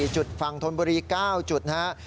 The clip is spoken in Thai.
จุดฝั่งธนบุรี๙จุดนะครับ